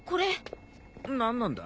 何なんだ？